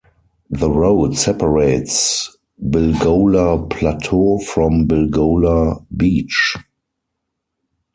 The road separates Bilgola Plateau from Bilgola Beach.